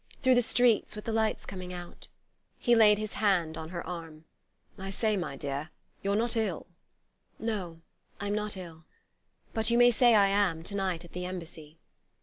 through the streets, with the lights coming out...." He laid his hand on her arm. "I say, my dear, you're not ill?" "No; I'm not ill. But you may say I am, to night at the Embassy."